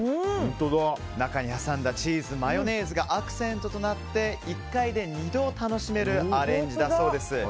中に挟んだチーズマヨネーズがアクセントとなって１回で二度楽しめるアレンジだそうです。